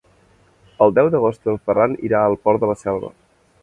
El deu d'agost en Ferran irà al Port de la Selva.